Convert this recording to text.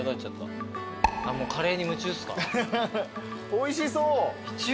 おいしそう！